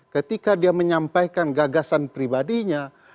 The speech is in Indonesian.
ketika dia menyampaikan gagasan pribadinya